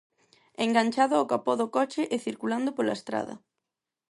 Enganchado ao capó do coche e circulando pola estrada.